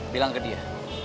bilang ke dia